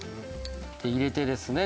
入れてですね